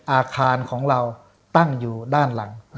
อาคารของเราตั้งอยู่ด้านหลัง